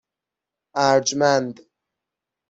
اَرجمند